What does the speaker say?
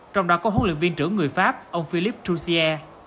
trong đó có huấn luyện viên trưởng người pháp ông philippe jouzier